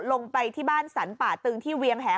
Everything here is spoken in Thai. ลงไปที่บ้านสรรป่าตึงที่เวียงแห